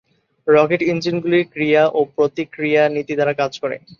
Rocket ইঞ্জিনগুলি ক্রিয়া ও প্রতিক্রিয়া নীতি দ্বারা কাজ করে।